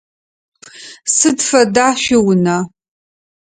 Сыд фэда шъуиунэ?